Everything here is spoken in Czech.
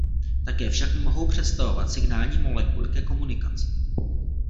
Také však mohou představovat signální molekuly ke komunikaci.